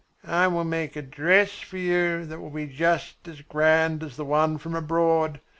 I will make a dress for you that will be just as grand as the one from abroad.